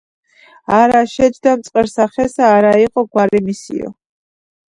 არა შეჯდა მწყერი ხესა, არა იყო გვარი მისიო.